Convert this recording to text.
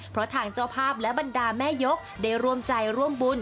เพราะทางเจ้าภาพและบรรดาแม่ยกได้ร่วมใจร่วมบุญ